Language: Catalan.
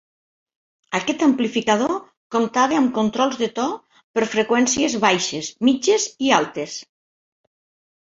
Aquest amplificador comptava amb controls de to per freqüències baixes, mitges i altes.